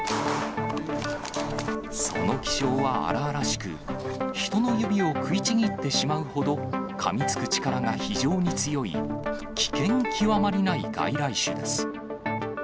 その気性は荒々しく、人の指を食いちぎってしまうほど、かみつく力が非常に強い、危険極まりない外来種です。